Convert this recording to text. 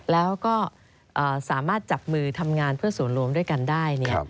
แล้วก็สามารถจับมือทำงานเพื่อส่วนรวมด้วยกันได้